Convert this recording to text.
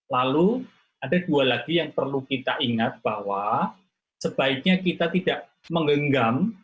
lalu ada dua lagi yang perlu kita ingat bahwa sebaiknya kita tidak menggenggam